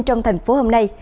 trong thành phố hôm nay